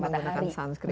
masuk menggunakan sunscreen